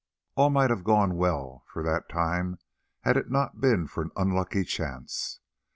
All might have gone well for that time had it not been for an unlucky chance.